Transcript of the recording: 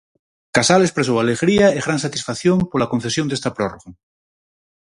Casal expresou "alegría e gran satisfacción" pola concesión desta prórroga.